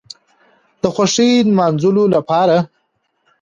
د خوښۍ نماځلو لپاره